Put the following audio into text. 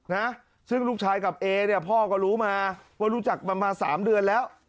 นะซึ่งลูกชายกับเอเนี่ยพ่อก็รู้มาว่ารู้จักมันมาสามเดือนแล้ว